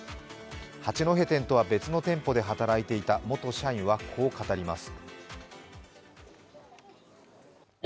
八戸店とは別の店舗で働いていた元社員はこう語ります。